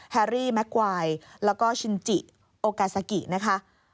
แอรี่แม็กกวายแล้วก็ชินจิโอกาซากินะคะ